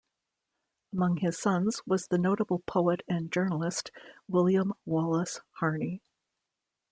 Among his sons was the notable poet and journalist William Wallace Harney.